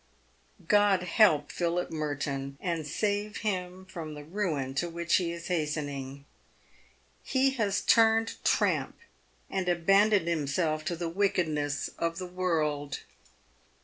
God help Philip Merton, and save him from the ruin to which he is hastening ! He has turned " tramp," and abandoned himself to the wickedness of the world.